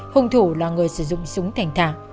hùng thủ là người sử dụng súng thành thả